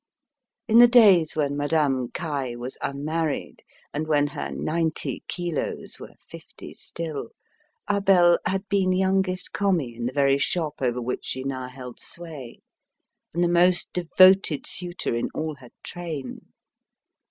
In the days when Madame Caille was unmarried, and when her ninety kilos were fifty still, Abel had been youngest commis in the very shop over which she now held sway, and the most devoted suitor in all her train.